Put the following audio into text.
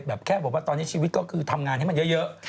แค่บอกว่าตอนนี้ชีวิตก็คือทำงานให้มันเยอะ